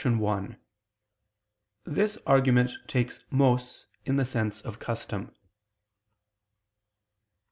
1: This argument takes mos in the sense of _custom.